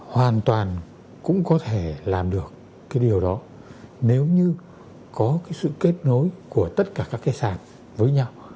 hoàn toàn cũng có thể làm được cái điều đó nếu như có cái sự kết nối của tất cả các cái sản với nhau